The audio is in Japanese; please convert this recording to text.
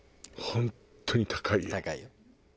本当に高い。